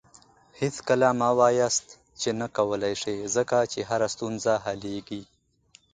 هېڅکله مه وایاست چې نه کولی شې، ځکه چې هره ستونزه حلیږي.